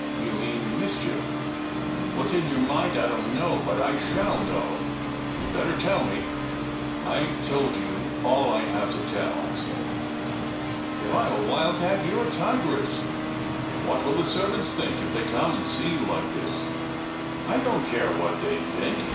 You mean mischief. What s in your mind I don t know, but I shall know! You d better tell me!" " I ve told you all I have to tell," I said. " If I m a wild cat, you re a tigress. What will the servants think if they come and see you like this?" " I don t care what they think.